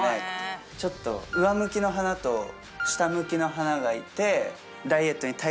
上向きの花と下向きの花がいて。